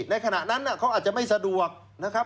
ในขณะนั้นเขาอาจจะไม่สะดวกนะครับ